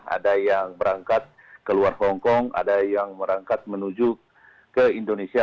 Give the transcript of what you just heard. ada yang berangkat ke luar hongkong ada yang berangkat menuju ke indonesia